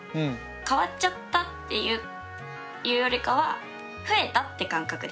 変わっちゃったっていうよりかは増えたって感覚です。